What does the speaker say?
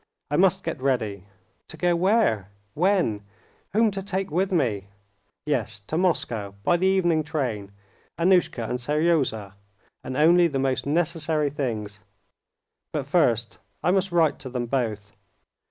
"I must get ready. To go where? When? Whom to take with me? Yes, to Moscow by the evening train. Annushka and Seryozha, and only the most necessary things. But first I must write to them both."